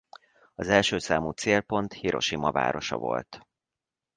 Az első számú célpont Hirosima városa volt.